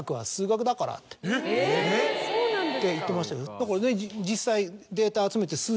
だからね実際。